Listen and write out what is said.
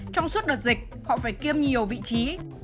trong suốt đợt dịch họ phải kiêm nhiều vị trí